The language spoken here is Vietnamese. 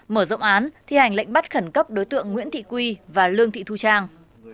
mở rộng án thi hành lệnh bắt khẩn cấp đối tượng nguyễn thị quy và lương thị thu trang